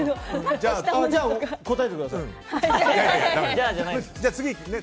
じゃあ答えてください！